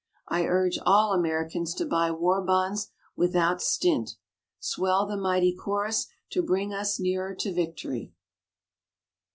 I urge all Americans to buy war bonds without stint. Swell the mighty chorus to bring us nearer to victory!